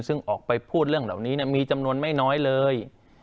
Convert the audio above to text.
ซึ่งออกไปพูดเรื่องเหล่านี้มีจำนวนไม่น้อยเลย